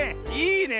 いいね。